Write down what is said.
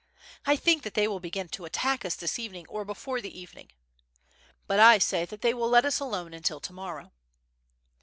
"I think that they will begin to attack us this evening, or before the evening.'* "But I say that they will let us alone until to morrow."